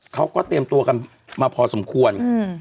เขาก็เตรียมตัวกันมาพอสมควร